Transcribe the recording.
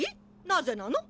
なぜなの？